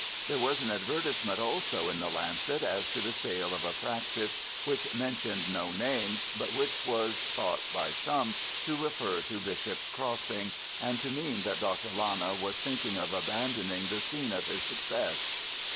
There was an advertisement also in the Lancet as to the sale of a practice which mentioned no names, but which was thought by some to refer to Bishop's Crossing, and to mean that Dr. Lana was thinking of abandoning the scene of his success.